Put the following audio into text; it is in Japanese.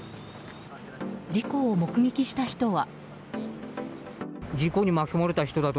事故を目撃した人は。